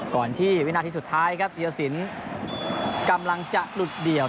ก่อนที่วินาทีสุดท้ายครับธีรสินกำลังจะหลุดเดี่ยว